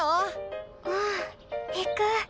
うん行く。